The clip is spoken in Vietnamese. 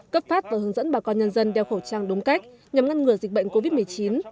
cấp phát và hướng dẫn bà con nhân dân đeo khẩu trang đúng cách nhằm ngăn ngừa dịch bệnh covid một mươi chín